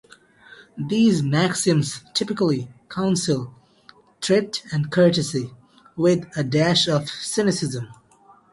These maxims typically counsel thrift and courtesy, with a dash of cynicism.